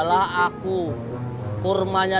kalau i fitanto